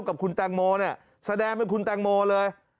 กับคุณแตงโมเนี่ยแสดงเป็นคุณแตงโมเลย